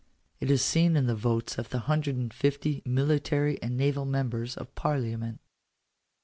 It is seen in the votes of the hundred and fifty military and naval members of Parliament.